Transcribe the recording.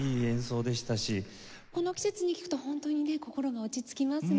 この季節に聴くと本当にね心が落ち着きますね。